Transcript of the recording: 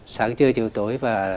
sáng trưa chiều tối